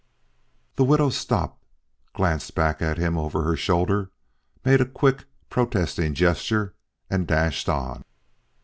The widow stopped, glanced back at him over her shoulder, made a quick, protesting gesture and dashed on.